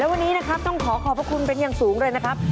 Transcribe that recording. วันนี้นะครับต้องขอขอบพระคุณเป็นอย่างสูงเลยนะครับ